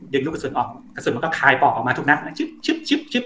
ลูกกระสุนออกกระสุนมันก็คลายปอกออกมาทุกนัดชิบชิบชิบ